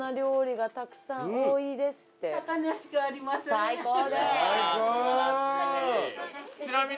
最高でーす！